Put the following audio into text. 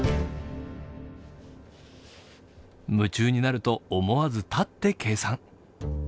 夢中になると思わず立って計算。